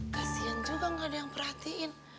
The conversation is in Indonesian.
kasian juga gak ada yang perhatiin